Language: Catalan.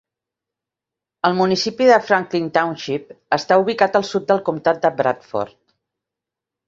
El municipi de Franklin Township està ubicat al sud del comtat de Bradford.